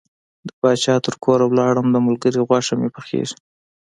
د پاچا تر کوره لاړم د ملګري غوښه مې پخیږي.